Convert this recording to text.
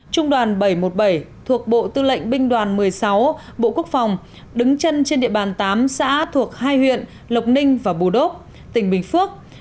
trung đoàn bảy trăm một mươi bảy thuộc bộ tư lệnh binh đoàn một mươi sáu bộ quốc phòng đứng chân trên địa bàn tám xã thuộc hai huyện lộc ninh và bù đốc tỉnh bình phước